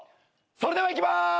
それではいきます！